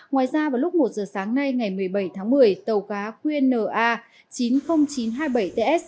ngoài ra vào lúc một giờ sáng nay ngày một mươi bảy tháng một mươi tàu cá qnna chín mươi nghìn chín trăm hai mươi bảy ts